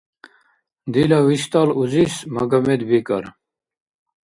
Дила виштӀал узис Магомед бикӀар